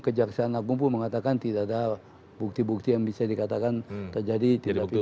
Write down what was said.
kejaksaan agung pun mengatakan tidak ada bukti bukti yang bisa dikatakan terjadi tindak pidana